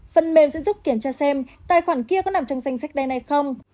phân mêm sẽ giúp kiểm tra xem tài khoản kia có nằm trong danh sách đen hay không